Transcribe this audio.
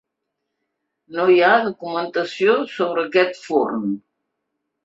No hi ha documentació sobre aquest forn.